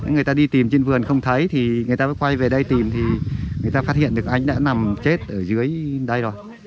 người ta đi tìm trên vườn không thấy thì người ta mới quay về đây tìm thì người ta phát hiện được anh đã nằm chết ở dưới đây rồi